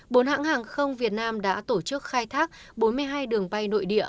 bốn hãng hàng không việt nam đã tổ chức khai thác bốn mươi hai đường bay nội địa